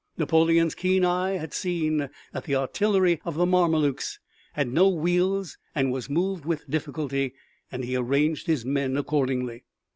Napoleon's keen eye had seen that the artillery of the Mamelukes had no wheels and was moved with difficulty and he arranged his men accordingly.